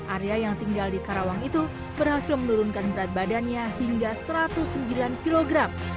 arya yang tinggal di karawang itu berhasil menurunkan berat badannya hingga satu ratus sembilan kg